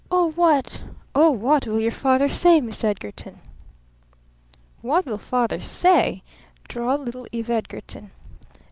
"Oh, what oh, what will your father say, Miss Edgarton?" "What will Father say?" drawled little Eve Edgarton.